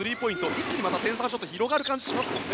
一気にまた点差が広がる感じがしますもんね。